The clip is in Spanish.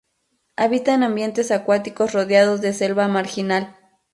Habita en ambientes acuáticos rodeados de selva marginal.